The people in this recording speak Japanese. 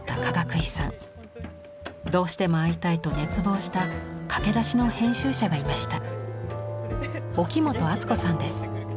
どうしても会いたいと熱望した駆け出しの編集者がいました。